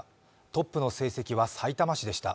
トップの成績はさいたま市でした。